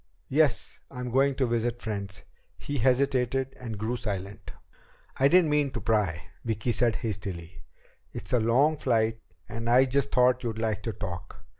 Yes, I'm going to visit friends." He hesitated and grew silent. "I didn't mean to pry," Vicki said hastily. "It's a long flight and I just thought you'd like to talk.